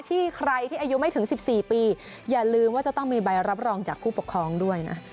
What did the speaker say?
ที่ใครที่อายุไม่ถึง๑๔ปีอย่าลืมว่าจะต้องมีใบรับรองจากผู้ปกครองด้วยนะ